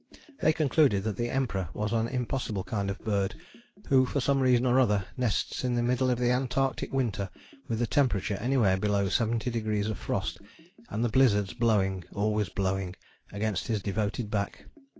They concluded that the Emperor was an impossible kind of bird who, for some reason or other, nests in the middle of the Antarctic winter with the temperature anywhere below seventy degrees of frost, and the blizzards blowing, always blowing, against his devoted back.